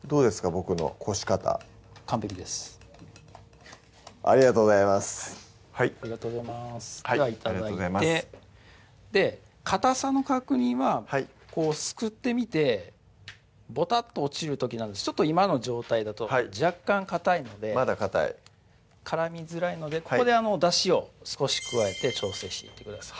僕のこし方完璧ですありがとうございますありがとうございますでは頂いてかたさの確認はすくってみてボタッと落ちる時今の状態だと若干かたいのでまだかたい絡みづらいのでここでだしを少し加えて調整していってください